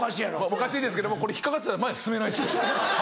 おかしいですけどもこれ引っ掛かってたら前進めないですそやな。